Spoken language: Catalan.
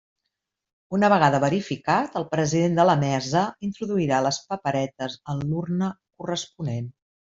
Una vegada verificat, el president de la Mesa introduirà les paperetes en l'urna corresponent.